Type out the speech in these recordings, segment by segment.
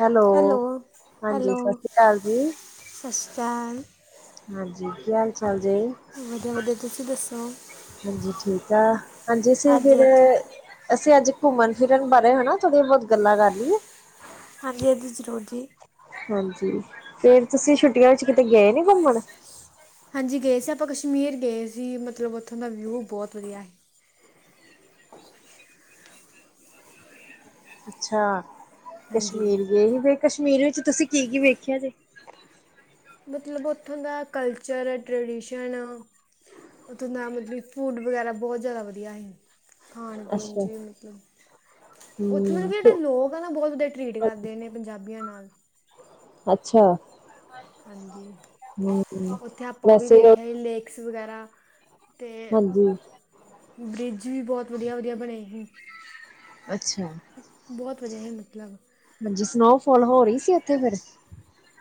Hello! ਹਾਂਜੀ, hello ਸਤਿ ਸ੍ਰੀ ਅਕਾਲ ਜੀ। ਸਤਿ ਸ੍ਰੀ ਅਕਾਲ। ਹਾਂਜੀ ਕੀ ਹਾਲ ਚਾਲ ਜੇ? ਵਧੀਆ ਵਧੀਆ ਤੁਸੀਂ ਦੱਸੋ ਹਾਂਜੀ, ਠੀਕ ਆ। ਹਾਂਜੀ ਅਸੀਂ ਫਿਰ ਅਸੀਂ ਅੱਜ ਘੁੰਮਣ ਫਿਰਨ ਬਾਰੇ ਹੈਨਾ, ਥੋੜ੍ਹੀਆਂ ਬਹੁਤ ਗੱਲਾਂ ਕਰ ਲਈਏ। ਹਾਂਜੀ, ਹਾਂਜੀ ਜ਼ਰੂਰ ਜੀ। ਹਾਂਜੀ। ਫੇਰ ਤੁਸੀਂ ਛੁੱਟੀਆਂ 'ਚ ਕਿਤੇ ਗਏ ਨੀ ਘੁੰਮਣ? ਹਾਂਜੀ ਗਏ ਸੀ ਆਪਾਂ ਕਸ਼ਮੀਰ ਗਏ ਸੀ। ਮਤਲਬ ਉੱਥੋਂ ਦਾ ਵਿਊ ਬਹੁਤ ਵਧੀਆ ਸੀ। ਅੱਛਾ! ਹਾਂਜੀ ਕਸ਼ਮੀਰ ਗਏ ਹੀ, ਫੇਰ ਕਸ਼ਮੀਰ ਵਿੱਚ ਤੁਸੀਂ ਕੀ -ਕੀ ਵੇਖਿਆ ਜੇ? ਮਤਲਬ ਉਥੋਂ ਦਾ ਕਲਚਰ ਟਰੈਡੀਸ਼ਨ ਦਾ ਮਤਲਬ ਫੂਡ ਵਗੈਰਾ ਬਹੁਤ ਜਿਆਦਾ ਵਧੀਆ। ਖਾਣ ਪੀਣ 'ਚ ਅੱਛਾ ਮਤਲਬ ਉੱਥੇ ਮਤਲਬ ਹਮ ਕਿ ਜਿਹੜੇ ਲੋਕ ਆ ਨਾ ਬਹੁਤ ਵਧੀਆ ਟਰੀਟ ਕਰਦੇ ਨੇ ਪੰਜਾਬੀਆਂ ਨਾਲ ਅੱਛਾ ਹਾਂਜੀ ਹਮ ਉੱਥੇ ਆਪਾਂ ਉਹ ਵੀ ਵੈਸੇ ਵੇਖਿਆ ਸੀ ਲੇਕ ਬਕਸ ਵਗੈਰਾ ਤੇ ਹਾਂਜੀ ਬ੍ਰਿਜ ਵੀ ਬਹੁਤ ਵਧੀਆ ਵਧੀਆ ਬਣੇ ਹੀ। ਅੱਛਾ। ਵਧਿਆ ਹੀ ਮਤਲਬ। ਹਾਂਜੀ ਸਨੋਫੋਲ ਹੋ ਰਹੀ ਸੀ ਉੱਥੇ ਫਿਰ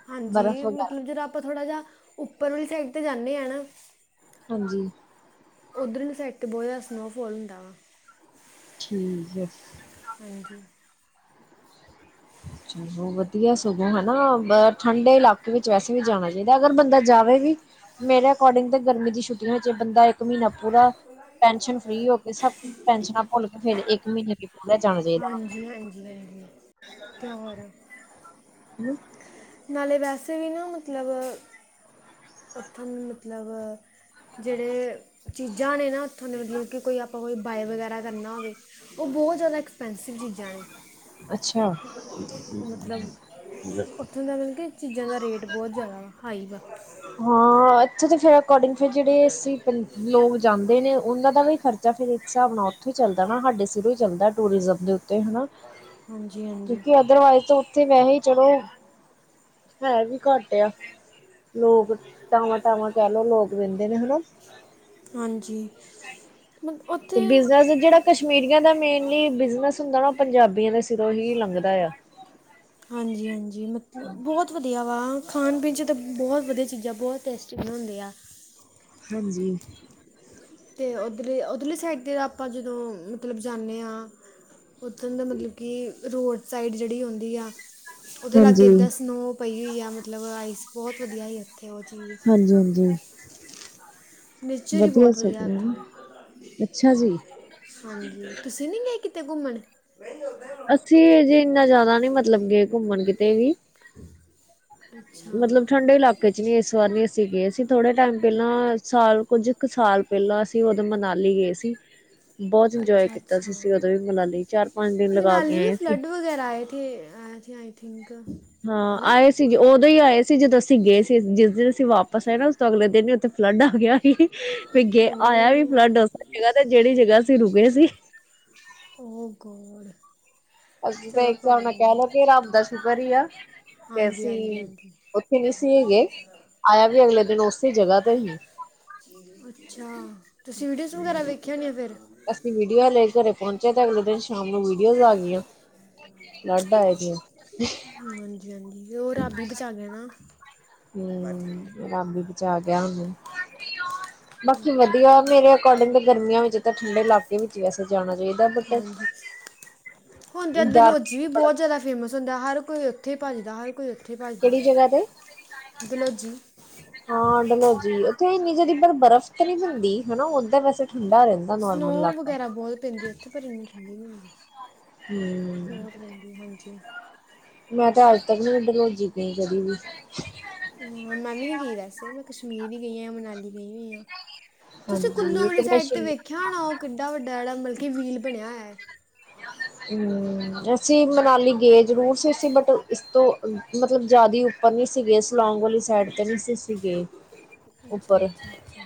ਹਾਂਜੀ ਬਰਫ਼ ਮਤਲਬ ਵਗੈਰਾ ਜਦੋ ਆਪਾਂ ਥੋੜ੍ਹਾ ਜਿਹਾ ਉੱਪਰ ਵਾਲੀ ਸਾਈਡ ਤੇ ਜਾਂਣੇ ਹਨਾ। ਹਾਂਜੀ। ਉੱਧਰ ਵਾਲੀ ਸਾਈਡ ਤੇ ਬਹੁਤ ਜ਼ਿਆਦਾ ਸਨੋਫਾਲ ਹੁੰਦਾ ਵਾ। ਠੀਕ ਹੈ। ਹਾਂਜੀ ਚਲੋ ਵਧੀਆ ਸਗੋਂ ਹੈ ਨਾ ਠੰਡੇ ਇਲਾਕੇ ਵਿੱਚ ਵੈਸੇ ਵੀ ਜਾਣਾ ਚਾਹੀਦਾ ਅਗਰ ਬੰਦਾ ਜਾਵੇ ਵੀ ਮੇਰੇ ਅਕੋਰਡਿੰਗ ਤੇ ਗਰਮੀ ਦੀ ਛੁੱਟੀਆਂ ਵਿੱਚ ਬੰਦਾ ਇੱਕ ਮਹੀਨਾ ਪੂਰਾ ਟੈਨਸ਼ਨ ਫ੍ਰਰੀ ਹੋ ਕੇ ਸਭ ਟੈਨਸ਼ਨਾਂ ਭੁੱਲ ਕੇ ਫਿਰ ਇੱਕ ਮਹੀਨੇ ਵੀ ਪੂਰਾ ਜਾਣਾ ਚਾਹੀਦਾ। ਤੇ ਹੋਰ ਹੂੰ ਨਾਲੇ ਵੈਸੇ ਵੀ ਨਾ ਮਤਲਬ ਉੱਥੋਂ ਨੂੰ ਮਤਲਬ ਜਿਹੜੇ ਚੀਜ਼ਾਂ ਨੇ ਨਾ ਉੱਥੋਂ ਦੀ ਦੀਆਂ ਕਿ ਕੋਈ ਆਪਾਂ ਕੋਈ ਬਾਏ ਵਗੈਰਾ ਕਰਨਾ ਹੋਵੇ ਉਹ ਬਹੁਤ ਜ਼ਿਆਦਾ ਐਕਸਪੈਂਸਿਵ ਚੀਜ਼ਾਂ ਨੇ ਅੱਛਾ। ਕਿਉਂਕਿ ਚੀਜ਼ਾਂ ਦਾ ਰੇਟ ਬਹੁਤ ਜ਼ਿਆਦਾ ਵਾ ਹਾਈ ਵਾ। ਅਕੋਡਿੰਗ ਫਿਰ ਜਿਹੜੇ ਅਸੀ ਪ ਲੋਕ ਜਾਂਦੇ ਨੇ ਉਹਨਾਂ ਦਾ ਵੀ ਖਰਚਾ ਫਿਰ ਇੱਕ ਹਿਸਾਬ ਨਾਲ ਉੱਥੋਂ ਹੀ ਚੱਲਦਾ ਨਾ ਸਾਡੇ ਸਿਰੋਂ ਹੀ ਚੱਲਦਾ ਟੂਰਿਜ਼ਮ ਦੇ ਉੱਤੇ ਹਨਾ ਹਾਂਜੀ ਹਾਂਜੀ ਕਿਉਂਕਿ ਅਦਰਵਾਈਜ਼ ਤੇ ਮੈ ਵੀ ਹੀ ਚਲੋ ਹੈ ਵੀ ਘੱਟ ਆ। ਲੋਕ ਲੋਕ ਤਾਵਾਂ ਤਾਵਾਂ ਕਹਿ ਲਓ ਲੋਕ [unintelligible] ਹੁੰਦੇ ਨੇ ਹਨਾ। ਹਾਂਜੀ ਮਤ ਉੱਥੇ ਤੇ ਬਿਜਨਸ ਜਿਹੜਾ ਕਸ਼ਮੀਰੀਆਂ ਦਾ ਮੇਨਲੀ ਬਿਜਨਸ ਹੁੰਦਾ ਨਾ ਉਹ ਪੰਜਾਬੀਆਂ ਦੇ ਸਿਰੋਂ ਹੀ ਲੰਘਦਾ ਆ। ਹਾਂ ਖਾਣ ਪੀਣ 'ਚ ਤਾਂ ਬਹੁਤ ਵਧੀਆ ਚੀਜ਼ਾਂ ਬਹੁਤ ਟੇਸਟੀ ਬਣਾਉਂਦੇ ਆ। ਹਾਂਜੀ। ਤੇ ਉਧਰ ਉਧਰਲੀ ਸਾਈਡ ਤੇ ਆਪਾਂ ਜਦੋਂ ਮਤਲਬ ਜਾਂਣੇ ਹਾਂ ਉੱਥੋਂ ਦਾ ਮਤਲਬ ਕਿ ਰੋੜ ਸਾਈਡ ਜਿਹੜੀ ਹੁੰਦੀ ਆ। ਉਹਦੇ ਲਾਗੇ ਹਾਂਜੀ ਏਦਾਂ ਸਨੋਅ ਪਈ ਹੋਈ ਆ ਮਤਲਬ ਆਈਸ ਬਹੁਤ ਵਧੀਆ ਹੀ ਉੱਥੇ ਉਹ ਚੀਜ਼ ਹਾਂਜੀ ਹਾਂਜੀ। ਨੇਚਰ ਹੀ ਬਹੁਤ ਵਧੀਆ ਓਥੇ ਅੱਛਾ ਜੀ ਹਾਂਜੀ ਤੁਸੀਂ ਨਹੀਂ ਗਏ ਕਿਤੇ ਘੁੰਮਣ ਅਸੀਂ ਜੇ ਇੰਨਾ ਜ਼ਿਆਦਾ ਨੀ ਮਤਲਬ ਗਏ ਘੁੰਮਣ ਕਿਤੇ ਵੀ। [unintelligible] ਅੱਛਾ ਮਤਲਬ ਠੰਡੇ ਇਲਾਕੇ ਚ ਵੀ ਇਸ ਵਾਰ ਨੀ ਅਸੀਂ ਗਏ ਸੀ ਥੋੜੇ ਟਾਈਮ ਪਹਿਲਾਂ ਸਾਲ ਕੁੱਝ ਕੁ ਸਾਲ ਪਹਿਲਾਂ ਅਸੀਂ ਉਦੋਂ ਮਨਾਲੀ ਗਏ ਸੀ। ਬਹੁਤ ਇੰਜੋਏ ਅੱਛਾ ਕੀਤਾ ਸੀ ਸੀ ਅੱਛਾ ਉਦੋਂ ਵੀ ਮਨਾਲੀ ਚਾਰ ਪੰਜ ਦਿਨ ਲਗਾ ਕੇ ਆਏ ਸੀ ਹਾਂ ਆਏ ਸੀ ਉਹ ਉਦੋਂ ਹੀ ਆਏ ਸੀ ਜਦੋਂ ਅਸੀਂ ਗਏ ਸੀ ਜਿਸ ਦਿਨ ਅਸੀਂ ਵਾਪਸ ਆਏ ਨਾ ਉਸ ਤੋਂ ਅਗਲੇ ਦਿਨ ਹੀ ਉੱਥੇ ਫਲੱਡ ਆ ਗਿਆ। ਆਇਆ ਵੀ ਪਲਾ ਡਸ ਜਗ੍ਹਾ ਤੇ ਜਿਹੜੀ ਜਗ੍ਹਾ ਅਸੀਂ ਰੁਕੇ ਸੀ। ਓ ਗੋਡ ਅਸੀਂ ਤਾਂ ਚਲੋ ਇੱਕ ਹਿਸਾਬ ਕੋਈ ਨਾਲ ਕਹਿ ਨਹੀਂ ਲਓ ਕਿ ਰੱਬ ਦੱਸ ਸੁਪਰੀਆ ਕਿ ਹਾਂਜੀ ਅਸੀਂ ਹਾਂਜੀ ਹਾਂਜੀ ਉੱਥੇ ਨਹੀਂ ਸੀ ਹੈਗੇ, ਆਇਆ ਵੀ ਅਗਲੇ ਦਿਨ ਦਿਨ ਉਸੇ ਜਗ੍ਹਾ ਤੇ ਹੀ ਅੱਛਾ। ਤੁਸੀਂ ਵੀਡੀਓਜ਼ ਵਗੈਰਾ ਵੇਖੇ ਹੋਣੇ ਆ ਫਿਰ ਅਸੀਂ ਵੀਡੀਓ ਲੈ ਘਰੇ ਪਹੁੰਚਿਆ, ਤੇ ਅਗਲੇ ਦਿਨ ਸ਼ਾਮ ਨੂੰ ਵੀਡੀਓਜ਼ ਆ ਗਈਆਂ। ਲਦਾ ਆਏਦੀ। ਹਾਂਜੀ ਹਾਂਜੀ ਉਹ ਰੱਬ ਬਚਾਗੇ ਨਾ। ਹਮ, ਰੱਬ ਜਾ ਗਿਆ ਹੂੰ। ਬਾਕੀ ਵਧੀਆ, ਮੇਰੇ ਅਕੋਰਡਿੰਗ ਗਰਮੀਆਂ ਵਿੱਚ ਤਾਂ, ਠੰਡੇ ਇਲਾਕੇ ਵਿੱਚ ਵੀ ਵੈਸੇ ਜਾਣਾ ਚਾਹੀਦਾ ਬਟ ਹਾਂਜੀ, ਹੁਣ ਤੇ ਡਰ ਦਲਹੌਜੀ ਵੀ ਬਹੁਤ ਜਿਆਦਾ ਫੇਮਸ ਸੁੁੰਦਾ ਹਰ ਕੋਈ ਉੱਥੇ ਹੀ ਭੱਜਦਾ, ਹਰ ਕੋਈ ਉੱਥੇ ਭੱਜਦਾ ਕਿਹੜੀ ਜਗ੍ਹਾ ਤੇ, ਦਲੌਜੀ ਹਾਂ ਡਲੋਜੀ ਆ ਉੱਥੇ ਇੰਨੀ ਜ ਬਰਫ਼ ਤਾਂ ਨਹੀਂ ਹੁੰਦੀ, ਹਨਾ ਉਦਾਂ ਵੈਸ ਠੰ ਸਨੋ ਵਗੈਰਾ ਬਹੁਤ ਪੈਂਦੀ ਹੈ ਉੱਥੇ, ਪਰ ਇੰਨੀ ਠੰਡੀ ਨਹੀਂ ਹੁੰਦੀ। ਹੂੰ ਸੁ ਮਿੰਦੀ, ਹਾਂਜੀ। ਮੈਂ ਤੇ ਅੱਜ ਤੱਕ ਨੀ ਡਰੌਜੀ ਗਈ ਕਦੀ ਵੀ। ਹਮ, ਮੈਂ ਵੀ ਨੀ ਗਈ ਵੈਸੇ, ਮੈਂ ਕਸ਼ਮੀਰ ਹੀ ਗਈ ਆ ਮਨਾਲੀ ਗਈ ਹੋਈ ਆ। ਤੁਸੀਂ ਹਾਂਜੀ ਕੁੱਲੂ ਇੱਕ ਵਾਲੀ ਮੈਂ ਸਾਈਡ ਤੇ ਸ਼ਿਮ ਵੇਖਿਆ ਹੋ ਨਾ ਉਹ ਕਿੱਡਾ ਵੱਡਾ ਜਿਹੜਾ ਮਤਲਬ ਕਿ ਵੀਲ ਬਣਿਆ ਹੈ। ਹਮ ਅਸੀਂ ਮਨਾਲੀ ਗਏ ਜ਼ਰੂਰ ਸੀ, ਬਟ ਇਸ ਤੋਂ ਮਤਲਬ ਜ਼ਿਆਦਾ ਉੱਪਰ ਨਹੀ ਸੀ ਗਏ। ਪਲੋਂਗ ਵਾਲੀ ਸਾਈਡ ਤੇ ਨਹੀਂ ਸੀ, ਸੀ ਗਏ ਅੱਛਾ ਉੱਪਰ ਅੱਛਾ ਅੱਛਾ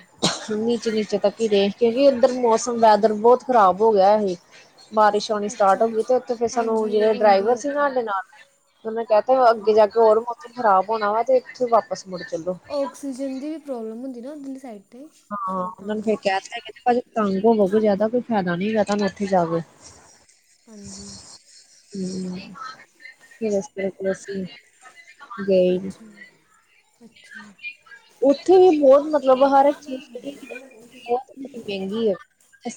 ਨੀਚੇ -ਨੀਚੇ ਤੱਕ ਹੀ ਰਹੇ ਕਿਉਂਕਿ ਉੱਧਰ ਮੌਸਮ ਵੈਦਰ ਹਾਂਜੀ ਬਹੁਤ ਖ਼ਰਾਬ ਹੋ ਗਿਆ ਇਹ ਬਾਰਿਸ਼ ਆਉਣੀ ਸਟਾਰਟ ਹੋ ਅੱਛਾ ਗਈ ਤੇ, ਅੱਛਾ ਉੱਥੇ ਫਿਰ ਸਾਨੂੰ ਹਾਂਜੀ ਜਿਹੜੇ ਹੁੰਦੀ ਡਰਾਈਵਰ ਆ ਸੀ ਉੱਥੇ ਸਾਡੇ ਨਾਲ ਉਹਨੇ ਕਹਿ ਤੇ ਅੱਗੇ ਜਾ ਹਾਂਜੀ ਕੇ ਹੋਰ ਖਰਾਬ ਹੋਣਾ ਵਾ, ਤੇ ਉੱਥੇ ਵਾਪਸ ਮੁੜ ਚੱਲੋ ਆਕਸੀਜਨ ਦੀ ਪ੍ਰੋਬਲਮ ਹੁੰ ਜ ਨਾ ਦ ਦਿੱਲੀ ਸਾਈਡ ਤੇ ਹਾਂ, ਸੋ ਉਹਨਾਂ ਤਾਂ ਨੂੰ ਫੇਰ ਕਰਕੇ ਕਹਿ ਦਿੱਤਾ ਕਹਿੰਦੇ ਭਾ ਤੰਗ ਹੋਵਗੇ ਜ਼ਿਆਦਾ ਕੁਝ ਫਾਇਦਾ ਨੀ ਪਤਾਨੂੰ ਇੱਥੇ ਜਾਵੇ। ਹਾਂਜੀ, ਹੂੰ ਕੀ ਰਸਤੇ ਰਸੀ ਗਈ। ਅੱਛਾ ਅੱਛਾ ਉੱਥੇ ਵੀ ਬਹੁਤ ਮਤਲਬ ਹਰ ਚੀਜ਼ ਜਿਹੜੀ ਬਹੁਤ ਮਹਿੰਗੀ ਐ।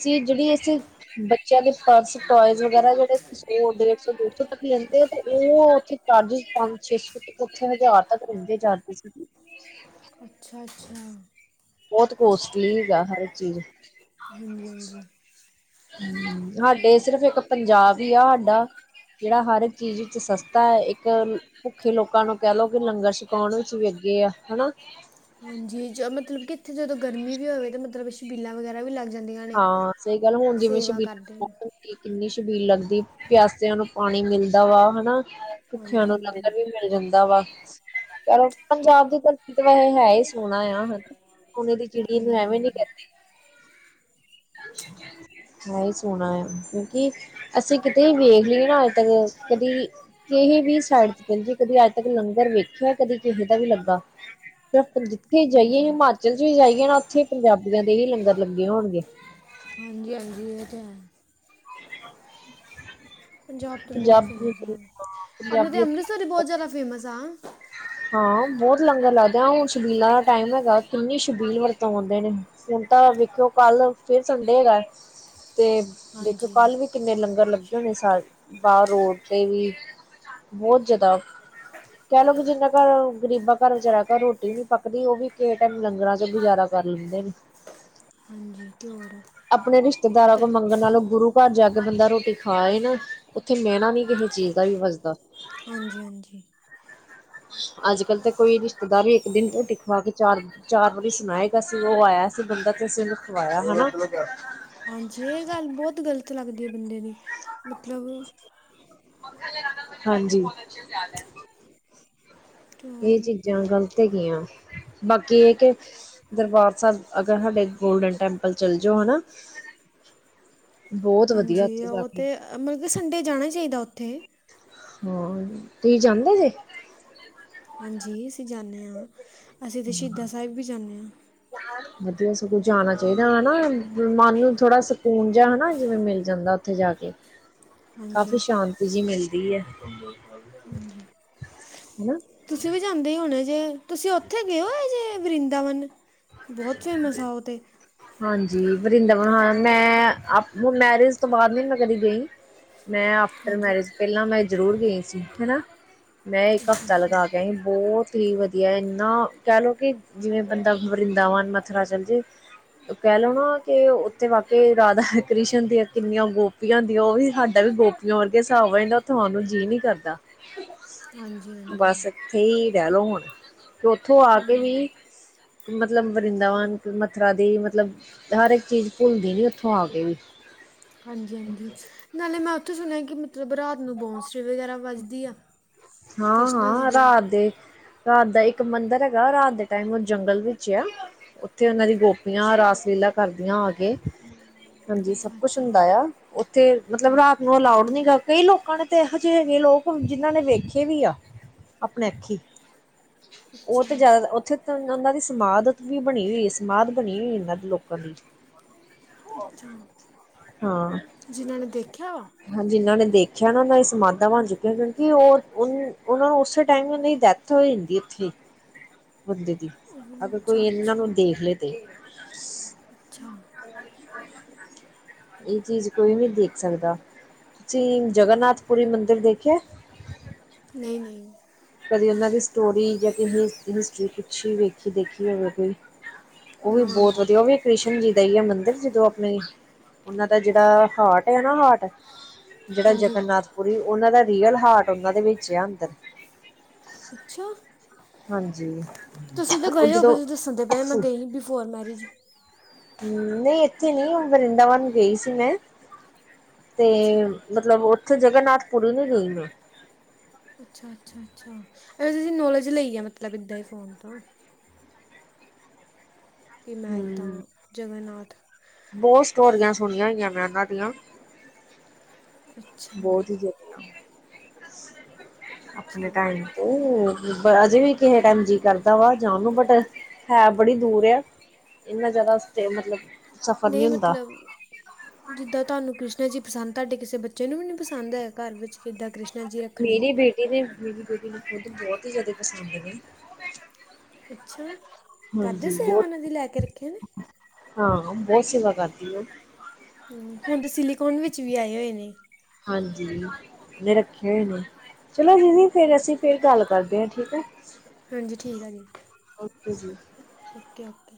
ਚੀਜ਼ ਜਿਹੜੀ ਇਸੇ ਬੱਚਿਆਂ ਦੇ ਪਰਸ ਟੋਇਜ਼ ਵਗੈਰਾ ਜਿਹੜੇ ਸੌ ਡੇਢ ਸੌ ਦੋ ਸੌ ਤੱਕ ਲੈਂਦੇ ਆ, ਤੇ ਉਹ ਉੱਥੇ ਚਾਰਜਿਸ ਪੰਜ ਛੇ ਸੌ ਤੇ ਉੱਥੇ ਹਜ਼ਾਰ ਤੱਕ ਲੈਂਦੇ ਆ ਚਾਰਜਿਸ। ਅੱਛਾ, ਅੱਛਾ, ਬਹੁਤ ਕੋਸਟਲੀਗਾ ਹਰ ਚੀਜ਼ ਹਾਂਜੀ ਹਾਂਜੀ ਹੂੰ ਹਰ ਡੇਜ਼ ਸਿਰਫ਼ ਇੱਕ ਪੰਜਾਬ ਹੀ ਆ ਸਾਡਾ ਜਿਹੜਾ ਹਰ ਇੱਕ ਚੀਜ਼ ਵਿੱਚ ਸਸਤਾ ਹੈ, ਇੱਕ ਭੁੱਖੇ ਲੋਕਾਂ ਨੂੰ ਕਹਿ ਲਓ ਕਿ ਲੰਗਰ ਛਕਾਉਣ ਵਿੱਚ ਵੀ ਅੱਗੇ ਆ ਹਨਾ। ਹਾਂਜੀ ਮਤਲਬ ਕਿ ਇੱਥੇ ਜਦੋਂ ਗਰਮੀ ਵੀ ਹੋਵੇ ਤਾਂ ਮਤਲਬ ਛਬੀਲਾਂ ਵਗੈਰਾ ਵੀ ਲੱਗ ਜਾਂਦੀਆਂ ਨੇ ਹਾਂ ਸਹੀ ਗੱਲ ਹੁਣ ਜਿਵੇਂ ਸੇਵਾ ਕਰਦੇ ਛਬੀਲ ਨੇ ਕਿੰਨੀ ਛ ਛਬੀਲ ਲੱਗਦੀ ਪਿਆਸਿਆਂ ਨੂੰ ਪਾਣੀ ਮਿਲਦਾ ਵਾ ਹਨਾ। ਭੁੱਖਿਆਂ ਹਾਂਜੀ ਨੂੰ ਹਾਂਜੀ ਹਾਂਜੀ ਲੰਗਰ ਵੀ ਮਿਲ ਜਾਂਦਾ ਵਾ। ਚਲੋ ਪੰਜਾਬ ਦੀ ਧਰਤੀ ਤੇ ਵੈਸੇ ਹੈ ਹੀ ਸੋਹਣਾ ਆ ਹਨਾ। ਸੋਨੇ ਦੀ ਚਿੜੀ ਇਹਨੂੰ ਐਵੇਂ ਨੀ ਹਾਂਜੀ ਕਹਿੰਦੇ। ਹੈ ਹੀ ਸੋਹਣਾ ਆ ਕਿਉਂਕਿ ਅਸੀਂ ਕਿਤੇ ਵੇਖ ਲਈਏ ਨਾ ਅੱਜ ਤੱਕ ਕਦੀ ਕਿਸਹੀ ਵੀ ਸਾਈਡ ਚ ਚਲ ਜਏ ਕਦੀ ਅੱਜ ਤੱਕ ਲੰਗਰ ਵੇਖਿਆ ਕਦੀ ਕਿਸੇ ਦਾ ਵੀ ਲੱਗਾ। ਫਿਰ ਜਿੱਥੇ ਜਾਈਏ ਹਾਂਜੀ ਹਿਮਾਚਲ ਚ ਵੀ ਜਾਈਏ, ਨਾ ਉੱਥੇ ਪੰਜਾਬੀਆਂ ਦੇ ਹੀ ਲੰਗਰ ਲੱਗੇ ਹੋਣਗੇ। ਹਾਂਜੀ, ਹਾਂਜੀ। ਤੇ [inaudible] ਪੰਜਾਬ ਤਾਂ ਬਹੁਤ ਪੰਜਾਬੀ ਫੇਮਸ ਆ ਆਪਣੇ ਤਾਂ ਪੰਜਾਬੀਆਂ ਅੰਮ੍ਰਿਤਸਰ ਹੀ ਬਹੁਤ ਜ਼ਿਆਦਾ ਫੇਮਸ ਆ। ਹਾਂ ਬਹੁਤ ਲੰਗਰ ਲੱਗਦੇ ਆ ਹੁਣ ਛਬੀਲਾਂ ਦਾ ਟਾਈਮ ਹੈਗਾ ਕਿੰਨੀ ਸ਼ਬੀਲ ਵਰਤਾਂਉਂਦੇ ਨੇ ਹੁਣ ਤਾਂ ਵੇਖਿਓ ਕੱਲ ਫਿਰ ਸੰਡੇ ਹੈਗਾ। ਅਤੇ ਦੇਖੋ ਹਾਂਜੀ ਕੱਲ ਵੀ ਕਿੰਨੇ ਲੰਗਰ ਲੱਗੇ ਹੋਣੇ ਸ ਬਾਹਰ। ਰੋਡ ਤੇ ਵੀ ਬਹੁਤ ਜ਼ਿਆਦਾ ਕਹਿ ਲਓ ਕਿ ਜਿੰਨਾ ਘਰ ਗ਼ਰੀਬਾਂ ਘਰ ਵਿਚਾਰਾ ਘਰ ਰੋਟੀ ਨੀ ਪੱਕਦੀ ਉਹ ਵੀ ਕਿਸੇ ਟਾਈਮ ਲੰਗਰਾਂ ਚੋ ਗੁਜ਼ਾਰਾ ਕਰ ਲੈਂਦੇ ਨੇ। ਹਾਂਜੀ, ਅਤੇ ਹੋਰ ਆਪਣੇ ਰਿਸ਼ਤੇਦਾਰਾਂ ਕੋਲ ਅਤੇ ਮੰਗਣ ਨਾਲੋਂ ਗੁਰੂ ਘਰ ਜਾ ਕੇ ਬੰਦਾ ਰੋਟੀ ਖਾ ਆਏ ਨਾ ਉੱਥੇ ਮਹਿਣਾ ਵੀ ਨੀ ਕਿਸੇ ਚੀਜ਼ ਦਾ ਵਜਦਾ। ਹਾਂਜੀ, ਹਾਂਜੀ। ਅੱਜ- ਕਲ ਤਾਂ ਕੋਈ ਰਿਸ਼ਤੇਦਾਰ ਵੀ ਇੱਕ ਦਿਨ ਰੋਟੀ ਖਵਾ ਕੇ ਚਾਰ -ਚਾਰ ਵਾਰੀ ਸੁਣਾਏਗਾ ਸੀ ਉਹ ਆਇਆ ਸੀ ਬੰਦਾ ਤੇ ਅਸੀਂ ਉਹਨੂੰ ਖਵਾਇਆ ਹੈਨਾ। [unintelligible] ਹਾਂਜੀ ਇਹ ਗੱਲ ਬਹੁਤ ਗ਼ਲਤ ਲੱਗਦੀ ਐ। ਬੰਦੇ ਦੀ ਮਤਲਬ ਹਾਂਜੀ, ਅਤੇ ਇਹ ਹੋਰ ਚੀਜ਼ਾਂ ਗ਼ਲਤ ਹੈਗੀਆਂ ਬਾਕੀ ਇਹ ਕਿ ਦਰਬਾਰ ਸਾਹਿਬ ਅਗਰ ਸਾਡੇ ਗੋਲਡਨ ਟੈਂਪਲ ਚੱਲ ਜਾਓ ਨਾ ਹਾਂਜੀ ਉਹ ਤੇ ਮਤਲਬ ਕਿ ਸੰਡੇ ਜਾਣੇ ਸੀ ਦ [unintelligible] ਹੋਰ ਤੁਸੀਂ ਜਾਂਦੇ ਜੇ ਹਾਂਜੀ ਅਸੀਂ ਜਾਂਦੇ ਹਾਂ ਅਸੀਂ ਤਾਂ ਸ਼ਹੀਦਾਂ ਸਾਹਿਬ ਵੀ ਜਾਂਦੇ ਹਾਂ ਵਧੀਆ ਜਾਣਾ ਚਾਹੀਦਾ ਹਨਾ ਮਨ ਨੂੰ ਥੋੜਾ ਸਕੂਨ ਜਿਹਾ ਹਨਾ ਜਿਵੇਂ ਮਿਲ ਜਾਂਦਾ ਉੱਥੇ ਜਾ ਕੇ ਕਾਫੀ ਸ਼ਾਂਤੀ ਜਹੀ ਮਿਲਦੀ ਮਿਲਦੀ ਏ ਹਾਂ ਤੁਸੀਂ ਵੀ ਜਾਂਦੇ ਹੀ ਹੋਣੇ ਜੇ ਤੁਸੀਂ ਉੱਥੇ ਗਏ ਹੋ ਇਹਜੇ ਵਰਿੰਦਾਵਨ ਬਹੁਤ ਫੇਮਸ ਆ ਉਹ ਤੇ ਹਾਂਜੀ ਵਰਿੰਦਾਵਨ ਹ ਹਾਂ ਮੈਂ ਮੈਰਿਜ ਤੋਂ ਬਾਅਦ ਨੀ ਕਦੇ ਗਈ [unintelligible] ਮੈਂ ਆਫਟਰ ਹਾਂਜੀ ਮੈਰਿਜ ਪਹਿਲਾਂ ਮੈਂ ਜ਼ਰੂਰ ਗਏ ਸੀ ਹਨਾ ਮੈਂ ਇੱਕ ਅੱਛਾ ਹਫ਼ਤਾ ਅੱਛਾ ਲਗਾ ਕੇ ਆਈ ਬਹੁਤ ਹੀ ਵਧੀਆ ਇੰਨਾ ਕਹਿ ਲੋੋ ਕਿ ਜਿਵੇਂ ਵ੍ਰਿੰਦਾਵਨ ਦਾਵਨ ਮਥੁਰਾ ਚਲ ਜੇ ਕਹਿ ਲੋ ਨਾ ਕਿ ਉੱਥੇ ਵਾਕਈ ਰਾਧਾ ਕ੍ਰਿਸ਼ਨ ਦੀਆਂ ਕਿੰਨੀਆਂ ਗੋਪੀਆਂ ਦੀਆਂ ਉਹ ਵੀ ਸਾਡਾ ਵੀ ਗੋਪੀਆਂ ਵਰਗੇ ਹਿਸਾਬ ਜਾਂਦਾ ਤੁਹਾਨੂੰ ਜੀਅ ਨੀ ਕਰਦਾ ਹਾਂਜੀ [unintelligible] ਹਾਂਜੀ ਬਸ ਇਥੇ ਰਹਿ ਲਓ ਹੁਣ [unintelligible] ਅਤੇ ਉੱਥੋਂ ਆ ਕੇ ਵੀ ਹ [unintelligible] ਮਤਲਬ ਵਰਿੰਦਾਵਨ ਮਥੁਰਾ ਦੀ ਮਤਲਬ ਹਰ ਇੱਕ ਚੀਜ਼ ਭੁੱਲਦੀ ਨਹੀ ਉੱਥੋਂ ਆ ਕੇ ਵੀ ਹਾਂਜੀ ਹਾਂਜੀ ਨਾਲੇ ਮੈਂ ਸੁਣਿਆ ਕਿ ਮਤਲਬ ਰਾਤ ਨੂੰ ਬੋਂਸਰੀ ਵਗੈਰਾ ਵੱਜਦੀ ਆ ਹਾਂ ਕ੍ਰਿਸ਼ਨਾ ਜੀ ਹਾਂ ਦੀ ਰਾਤ ਦੇ ਰਾਤ ਦਾ ਇੱਕ ਮੰਦਿਰ ਹੈਗਾ ਰਾਤ ਦੇ ਟਾਈਮ ਉਹ ਜੰਗਲ ਵਿੱਚ ਆ ਉੱਥੇ ਉਹਨਾਂ ਦੀ ਗੋਪੀਆਂ ਰਾਸ ਲੀਲਾ ਕਰਦੀਆਂ ਆ ਕੇ ਹਾਂਜੀ ਸਭ ਅੱਛਾ ਕੁਛ ਅੱਛਾ ਹੁੰਦਾ ਆ ਤੇ ਮਤਲਬ ਰਾਤ ਨੂੰ ਅਲਾਊਡ ਨਹੀਂ ਹੈਗਾ ਕਈ ਲੋਕਾਂ ਨੇ ਤੇ ਇਹੋ ਜਿਹੇ ਹੈਗੇ ਨੇ ਲੋਕ ਜਿਹਨਾਂ ਨੇ ਵੇਖੇ ਵੇਖੇ ਵੀ ਆ ਆਪਣੇ ਅੱਖੀ ਉਹ ਅੱਛਾ ਤੇ ਜ਼ਿਆਦਾ ਉੱਥੇ ਉਹਨਾਂ ਦੀ ਸਮਾਧ ਵੀ ਬਣੀ ਹੋਈ ਸਮਾਧ ਬਣੀ ਹੋਈ ਇਹਨਾਂ ਦੇ ਲੋਕਾਂ ਦੀ ਅੱਛਾ ਹਾਂ ਜਿਨ੍ਹਾਂ ਨੇ ਦੇਖਿਆ ਵਾ ਹਾਂ ਜਿਨ੍ਹਾਂ ਨੇ ਦੇਖਿਆ ਨਾ ਉਹਨਾਂ ਦਾ ਇਹ ਸਮਾਧਾਂ ਬਣ ਚੁੱਕਿਆ ਕਿਉਂਕਿ ਉਹਰ ਉਹ ਨੂੰ ਉਸੇ ਟਾਈਮ ਉਹਨਾਂ ਦੀ ਡੈਥ ਹੋ ਜਾਂਦੀ ਉੱਥੇ ਬੰਦੇ ਦੀ ਉਹ ਅਗਰ ਅੱਛਾ ਕੋਈ ਇਹਨਾਂ ਅੱਛਾ ਨੂੰ ਦੇਖ ਲੈ ਤੇ ਅੱਛਾ ਇਹ ਚੀਜ਼ ਕੋਈ ਨੀ ਦੇਖ ਸਕਦਾ ਤੁਸੀਂ ਜਗਨਾਥਪੁਰੀ ਮੰਦਿਰ ਦੇਖਿਆ ਨਹੀਂ ਕਦੇ ਉਹਨਾਂ ਦੀ ਸਟੋਰੀ ਜਾਂ ਕਿਸ ਹਿਸਟਰੀ ਪੁਛੀ ਵੇਖੀ ਦੇਖੀ ਹੋਵੇ ਕੋਈ ਉਹ ਵੀ ਨਾ ਬਹੁਤ ਨਾ ਵਧੀਆ ਉਹ ਵੀ ਕ੍ਰਿਸ਼ਨ ਜੀ ਦਾ ਹੀ ਹੈ ਮੰਦਿਰ ਜਦੋਂ ਆਪਣੇ ਉਹਨਾਂ ਦਾ ਜਿਹੜਾ ਹਾਰਟ ਆ ਨਾ ਹਾਰਟ ਜਿਹੜਾ ਹਾਂਜੀ ਜਗਨਨਾਥ ਪੁਰੀ ਉਹਨਾਂ ਦਾ ਰੀਅਲ ਹਾਰਟ ਉਹਨਾਂ ਦੇ ਵਿੱਚ ਆ ਅੰਦਰ ਅੱਛਾ ਹਾਂਜੀ ਤੁਸੀਂ ਇੱਧਰ ਉਹ ਗਏ ਹੋਗੇ ਜਦੋਂ ਤੁਸੀ ਦੱਸਣ ਦੇ ਪਏ ਮੈਂ ਗਈ ਬਿਫੋਰ ਮੈਰਿਜ ਹਮ ਨਹੀਂ ਇੱਥੇ ਨੀ ਵਰਿੰਦਾਵਨ ਗਈ ਸੀ ਮੈਂ ਤੇ ਅੱਛਾ ਮਤਲਬ ਉੱਥੇ ਜਗਨਨਾਥਪੁਰੀ ਨੂੰ ਗਈ ਮੈਂ ਅੱਛਾ ਅੱਛਾ ਅੱਛਾ ਅ ਤੁਸੀਂ ਨੌਲੇਜ ਲਈ ਆ ਮਤਲਬ ਇੱਦਾਂ ਹੀ ਫ਼ੋਨ ਤਾਂ ਮੈਂ ਇੱਦਾਂ ਹਮ ਜਗਨਨਾਥ ਬਹੁਤ ਸਟੋਰੀਆਂ ਸੁਣੀਆਂ ਹੋਈਆਂ ਨੇ ਮਹਿਨਾਂ ਦੀਆਂ ਅੱਛਾ ਬਹੁਤ ਹੀ ਜ਼ਲਦੀ [unintelligible] ਅੱਛਾ ਆਪਣੇ ਤਾਂਈ ਤੇ ਅਜੇ ਵੀ ਕਿਸੇ ਟਮ ਜੀਅ ਕਰਦਾ ਵਾ ਜਾਣ ਨੂੰ ਬਟ ਹੈ ਬੜੀ ਦੂਰ ਆ ਇਨਾ ਜ਼ਿਆਦਾ ਮਤਲਬ ਸਫ਼ਰ ਨਹੀਂ ਹੁੰਦਾ। ਮਤਲਬ ਜਿੱਦਾਂ ਤੁਹਾਨੂੰ ਕ੍ਰਿਸ਼ਨਾ ਜੀ ਪਸੰਦ ਤੁਹਾਡੇ ਕਿਸੇ ਬੱਚੇ ਨੂੰ ਵੀ ਨ ਨਹੀਂ ਪਸੰਦ ਹੈ ਘਰ ਵਿੱਚ ਕਿੱਦਾਂ ਕ੍ਰਿਸ਼ਨ ਮੇਰੀ ਬੇਟੀ ਨੇੇ ੈਨੂੰ ਖੁਦ ਬਹੁਤ ਹੀ ਜ਼ਿਆਦਾ ਪਸੰਦ ਨੇ ਅੱਛਾ ਕਰਦੇ ਹਾਂਜੀ ਸੇਵਾ ਬਹੁਤ ਉਹਨਾਂ ਦੀ ਲੈ ਕੇ ਰੱਖੇ ਨੇ ਹਾਂ ਬਹੁਤ ਸੇਵਾ ਕਰਤੀ ਹ ਹਮ ਹੁਣ ਤੇ ਸਿਲੀਕੋਨ ਵਿੱਚ ਵੀ ਆਏ ਹੋਏ ਨੇ ਹਾਂਜੀ ਰੱਖੇ ਹੋਏ ਨੇ ਚਲੋ ਦੀਦੀ ਫਰ ਅਸੀਂ ਫ ਗੱਲ ਕਰਦੇ ਹਾਂ ਠੀਕ ਹੈ ਹਾਂਜੀ ਠੀਕ ਆ ਜੀ ਓਕੇ ਜੀ। Okay okay